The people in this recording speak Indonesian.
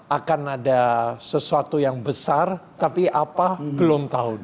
akan ada sesuatu yang besar tapi apa belum tahu